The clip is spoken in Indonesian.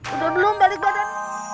udah belum balik badan